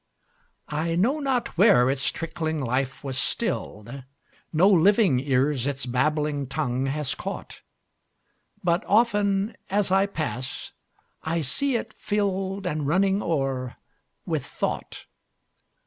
I know not where its trickling life was still'd; No living ears its babbling tongue has caught; But often, as I pass, I see it fill'dAnd running o'er with thought.